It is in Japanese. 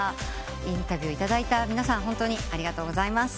インタビューいただいた皆さん本当にありがとうございます。